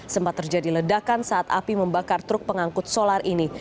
sempat terjadi ledakan saat api membakar truk pengangkut solar ini